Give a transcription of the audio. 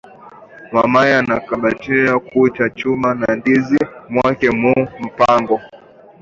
Mamayake anabakatariya ku chuma ma ndizi mwake mu mpango